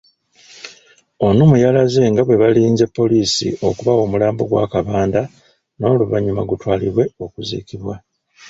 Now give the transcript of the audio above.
Onumu yalaze nga bwe balinze poliisi okubawa omulambo gwa Kabanda n'oluvannyuma gutwalibwe okuziiikibwa.